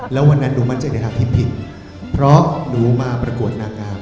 แล้ววันนั้นหนูมั่นใจในทางที่ผิดเพราะหนูมาประกวดนาการ